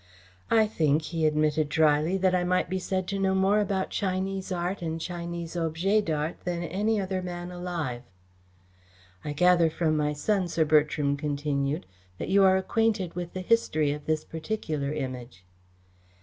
"I think," he admitted drily, "that I might be said to know more about Chinese art and Chinese objets d'art than any other man alive." "I gather from my son," Sir Bertram continued, "that you are acquainted with the history of this particular Image."